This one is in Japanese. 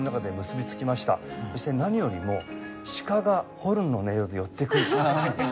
そして何よりも鹿がホルンの音色で寄ってくる。